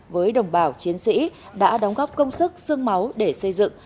với đồng bào chiến sĩ đã đóng góp công sức sương máu để xây dựng